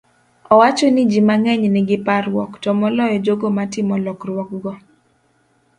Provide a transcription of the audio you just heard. Owacho ni ji mang'eny nigi parruok, to moloyo jogo matimo lokruokgo.